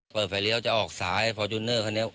เปิดไฟเลี้ยวจะออกซ้ายฟอร์จูเนอร์คันนี้